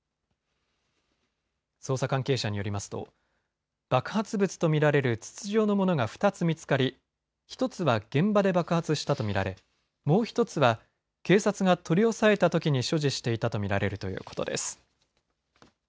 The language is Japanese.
捜査関係者によりますと爆発物と見られる筒状のものが２つ見つかり１つは現場で爆発したとみられもう１つは警察が取り押さえたときに所持していたとみられるということです。